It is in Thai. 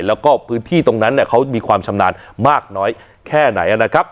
แล้วก็พื้นที่ตรงนั้นเขามีความชำนาญมากน้อยแค่ไหนนะครับ